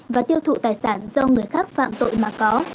và tiêu thụ tài sản do người khác phạm tội mà có